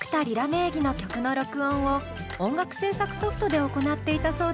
名義の曲の録音を音楽制作ソフトで行っていたそうですが